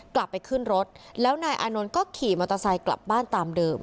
กลับไปขึ้นรถแล้วนายอานนท์ก็ขี่มอเตอร์ไซค์กลับบ้านตามเดิม